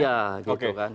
ya gitu kan